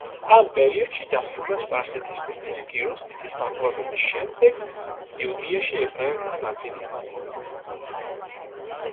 ამ პერიოდში დასრულდა სპარსეთის მეფის კიროს დიდის დაპყრობების შემდეგ იუდეაში ებრაელთა ნაწილის დაბრუნება.